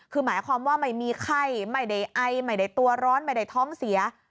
คือหมายความว่าไม่มีไข้ไม่ได้ไอไม่ได้ตัวร้อนไม่ได้ท้องเสีย